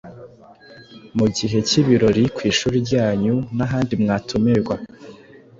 mu gihe k’ibirori ku ishuri ryanyu n’ahandi mwatumirwa.